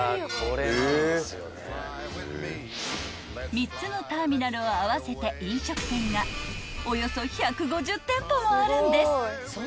［３つのターミナルを合わせて飲食店がおよそ１５０店舗もあるんです］